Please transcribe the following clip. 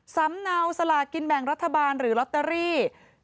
สำเนาสลากินแบ่งรัฐบาลหรือลอตเตอรี่